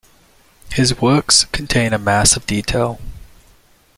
His works contain a mass of detail.